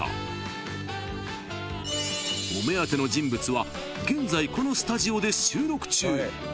［お目当ての人物は現在このスタジオで収録中］